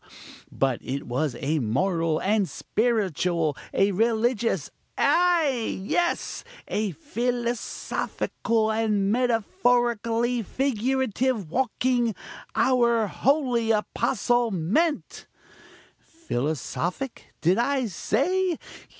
but it was a moral, a spiritual, a religious, ay! yes! a philosophical and metaphorically figurative walking, our holy apostle meant! "Philosophic, did I say?